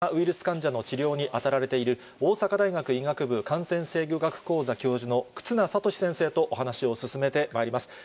ここからは感染症がご専門で、新型コロナウイルス患者の治療に当たられている、大阪大学医学部感染制御学講座教授の忽那賢志先生とお話を進めてまいります。